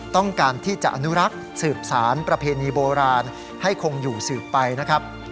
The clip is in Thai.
ต้องการที่จะอนุรักษ์สืบสารประเพณีโบราณให้คงอยู่สืบไปนะครับ